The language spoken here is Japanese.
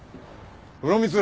風呂光！